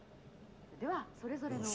ではそれぞれの。